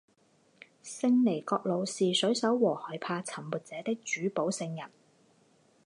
圣尼各老是水手和害怕沉没者的主保圣人。